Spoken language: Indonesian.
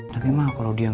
tapi emang kalau dia gak mau